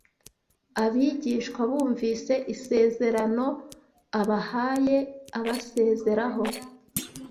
abigishwa bumvise isezerano abahaye abasezeraho